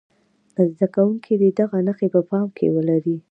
زده کوونکي دې دغه نښې په پام کې ولري.